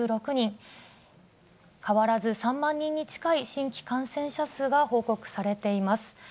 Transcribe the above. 変わらず３万人に近い新規感染者数が報告されています。